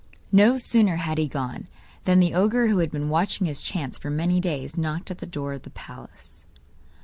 No sooner had he gone, than the ogre who had been watching his chance for many days, knocked at the door of the palace.